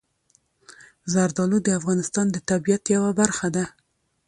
زردالو د افغانستان د طبیعت یوه برخه ده.